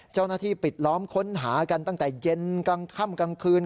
เจ้าหน้าที่ปิดล้อมค้นหากันตั้งแต่เย็นกลางค่ำกลางคืน